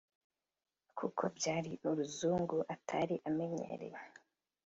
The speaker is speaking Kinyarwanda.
kuko byari uruzungu atari amenyereye